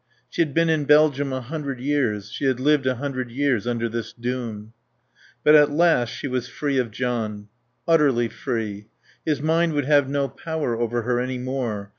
She had been in Belgium a hundred years; she had lived a hundred years under this doom. But at last she was free of John. Utterly free. His mind would have no power over her any more.